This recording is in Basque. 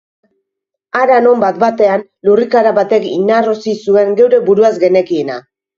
Hara non, bat-batean, lurrikara batek inarrosi zuen geure buruaz genekiena.